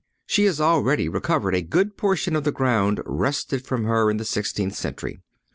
She has already recovered a good portion of the ground wrested from her in the sixteenth century.